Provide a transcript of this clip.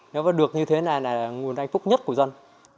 nếu được như thế là nguồn hạnh phúc nhất của dân